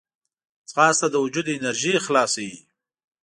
ځغاسته د وجود انرژي خلاصوي